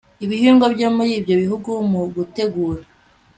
ibihingwa byo muri ibyo bihugu mu gutegura